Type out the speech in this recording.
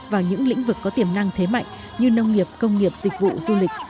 vào những lĩnh vực có tiềm năng thế mạnh như nông nghiệp công nghiệp dịch vụ du lịch